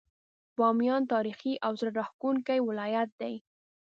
باميان تاريخي او زړه راښکونکی ولايت دی.